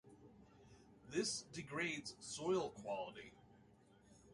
This degrades soil quality.